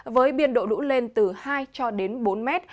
với biên độ lũ lên từ hai cho đến bốn mét